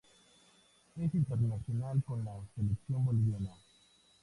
Es internacional con la Selección Boliviana.